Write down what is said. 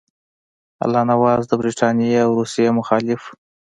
الله نواز د برټانیې او روسیې مخالف وو.